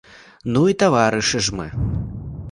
Ну і таварышы ж мы!